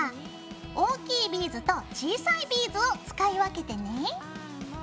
大きいビーズと小さいビーズを使い分けてね。